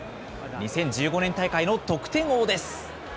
２０１５年大会の得点王です。